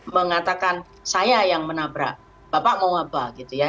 mengatakan saya yang menabrak bapak mau apa gitu ya